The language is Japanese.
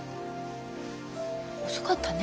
遅かったね。